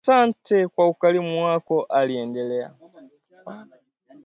Asante kwa ukarimu wako Aliendelea